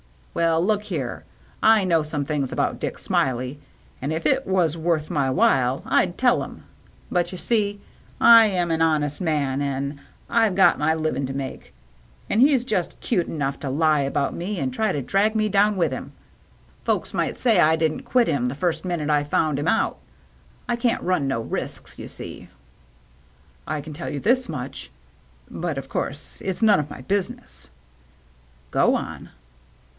"Well, look here. I know some things about Dick Smiley, and if it was worth my while, I'd tell 'em. But you see, I am an honest man, an' I've got my livin' to make, an' he's just cute enough to lie about me an' try to drag me down with 'im. Folks might say I didn't quit him the first minute I found 'im out. I can't run no risks, you see." " I can tell you this much — but, of course, it's none of my business." " Go on."